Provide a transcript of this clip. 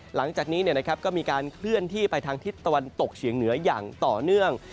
หลังจากนี้ก็มีการเคลื่อนที่ไปทางทิศตะวันตกเฉียงเหนืออย่างต่อเนื่อง